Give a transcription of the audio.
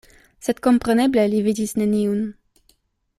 Sed kompreneble li vidis neniun.